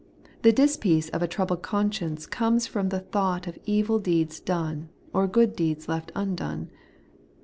The dis peace of a troubled conscience comes from the thought of evil deeds done, or good deeds left un done.